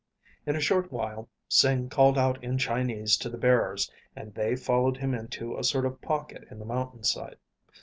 In a short while Sing called out in Chinese to the bearers and they followed him into a sort of pocket in the mountainside.